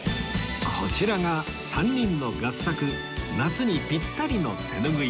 こちらが３人の合作夏にピッタリの手ぬぐい